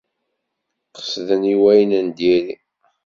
Qesden i wayen n diri.